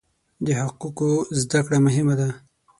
د حقوقو زده کړه مهمه ده.